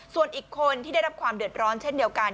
ส่วนอีกคนที่ได้รับความเดือดร้อนเช่นเดียวกัน